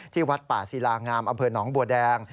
วัดป่าศิลางามอำเภอหนองบัวแดง